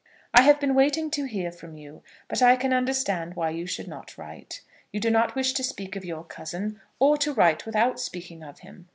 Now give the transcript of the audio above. I have been waiting to hear from you, but I can understand why you should not write. You do not wish to speak of your cousin, or to write without speaking of him.